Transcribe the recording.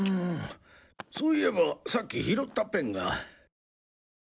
そういえばさっき拾ったペンが。